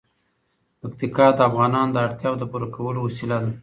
پکتیکا د افغانانو د اړتیاوو د پوره کولو وسیله ده.